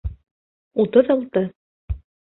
Утыҙ алты.